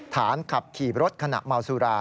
ขับขี่รถขณะเมาสุรา